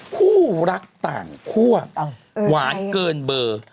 คู่รักต่างคั่วหวานเกินเบอร์